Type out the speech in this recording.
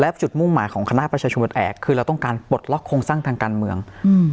และจุดมุ่งหมายของคณะประชาชนวันแอกคือเราต้องการปลดล็อกโครงสร้างทางการเมืองอืม